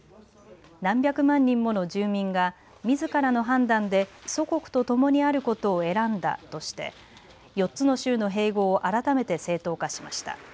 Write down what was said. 何百万人もの住民がみずからの判断で祖国とともにあることを選んだとして４つの州の併合を改めて正当化しました。